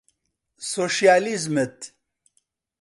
سۆشیالیزمت